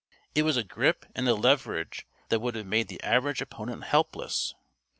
It was a grip and a leverage that would have made the average opponent helpless.